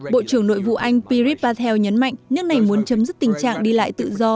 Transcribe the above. bộ trưởng nội vụ anh pirip patel nhấn mạnh nước này muốn chấm dứt tình trạng đi lại tự do